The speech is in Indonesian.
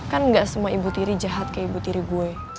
kan gak semua ibu tiri jahat ke ibu tiri gue